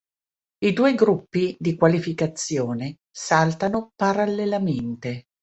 I due gruppi di qualificazione saltano parallelamente.